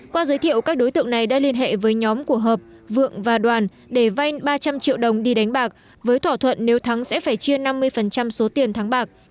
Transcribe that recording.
qua giới thiệu các đối tượng này đã liên hệ với nhóm của hợp vượng và đoàn để vay ba trăm linh triệu đồng đi đánh bạc với thỏa thuận nếu thắng sẽ phải chia năm mươi số tiền thắng bạc